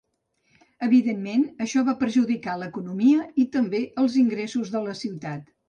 Evidentment, això va perjudicar l'economia i també els ingressos de la ciutat.